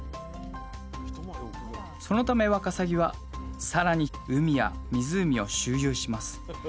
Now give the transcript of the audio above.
そのためわかさぎは更に海や湖を周遊します。